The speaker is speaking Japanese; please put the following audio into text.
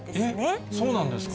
えっ、そうなんですか？